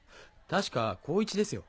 確か航一ですよ